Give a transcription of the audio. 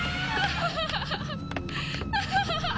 ハハハハ！